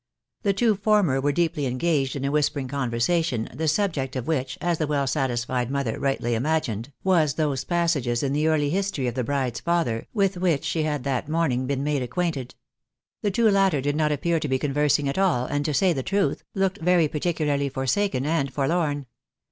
The two former were deeply engaged in a whispering conversation, the subject of which, as the well satisfied mother rightly imagined, was those passages in the early history of the bride's father, with which she had that morning been made acquainted. The two latter did not appear to be conversing at all, and to say truth, looked very particularly forsaken and forlorn.